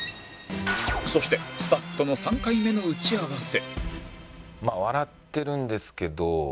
そしてスタッフとの３回目の打ち合わせ